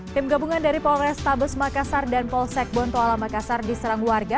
tim gabungan dari polrestabes makassar dan polsek bontoala makassar diserang warga